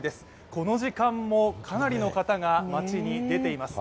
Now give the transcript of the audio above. この時間もかなりの方が街に出ています。